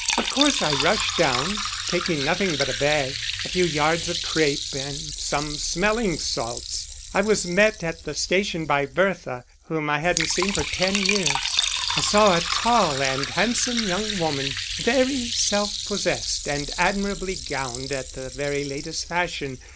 Of course I rushed down, taking nothing but a bag, a few yards of crape, and some smelling salts. I was met at the station by Bertha, whom I hadn't seen for ten years; I saw a tall and handsome young woman, very self possessed, and admirably gowned in the very latest fashion.